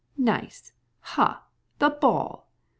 Nice! Ah! the ball!"